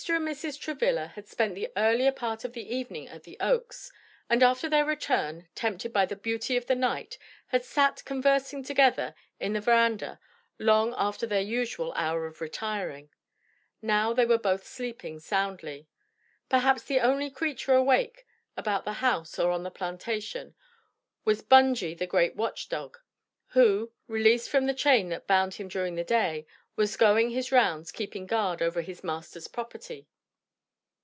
and Mrs. Travilla had spent the earlier part of the evening at the Oaks, and after their return, tempted by the beauty of the night, had sat conversing together in the veranda long after their usual hour for retiring. Now they were both sleeping soundly. Perhaps the only creature awake about the house or on the plantation, was Bungy the great watch dog, who, released from the chain that bound him during the day, was going his rounds keeping guard over his master's property.